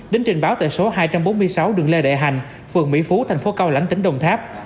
đến trình báo tại số hai trăm bốn mươi sáu đường lê đại hành phường mỹ phú thành phố cao lãnh tỉnh đồng tháp